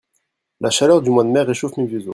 La chaleur du mois de Mai réchauffe mes vieux os